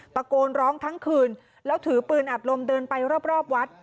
ตะโกนร้องทั้งคืนแล้วถือปืนอัดลมเดินไปรอบวัด